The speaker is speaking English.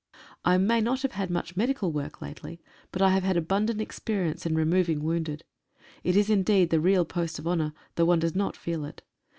I may not have had much medical work lately, but I have had abundant experience in removing wounded. It is indeed the real post of honour, though one does not feel it.